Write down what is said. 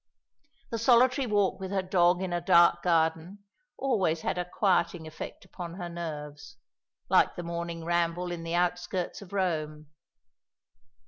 The solitary walk with her dog in a dark garden always had a quieting effect upon her nerves like the morning ramble in the outskirts of Rome.